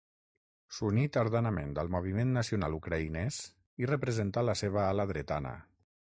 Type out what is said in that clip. S'uní tardanament al moviment nacional ucraïnès i representà la seva ala dretana.